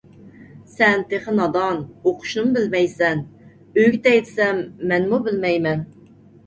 سەن تېخى نادان، ئوقۇشنىمۇ بىلمەيسەن. ئۆگىتەي دېسەم مەنمۇ بىلمەيمەن.